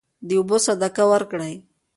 د اوبو صدقه ورکړئ.